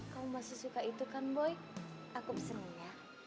kamu masih suka itu kan boy aku senang ya